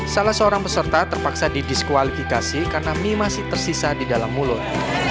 salah seorang peserta terpaksa didiskualifikasi karena mie masih tersisa di dalam mulut